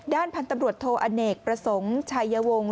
พันธุ์ตำรวจโทอเนกประสงค์ชายวงศ